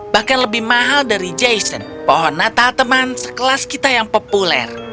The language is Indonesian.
bahkan lebih mahal dari jason pohon natal teman sekelas kita yang populer